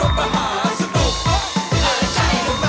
โอเค